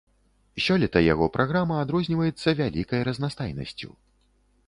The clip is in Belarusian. Сёлета яго праграма адрозніваецца вялікай разнастайнасцю.